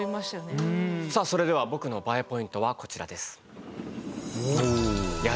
さあそれでは僕のＢＡＥポイントはこちらです。